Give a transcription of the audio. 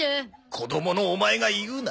子供のオマエが言うな。